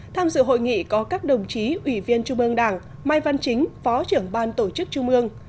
tham dự hội nghị có các đồng chí ủy viên trung ương đảng mai văn chính phó trưởng ban tổ chức trung ương